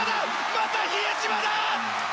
また比江島だ！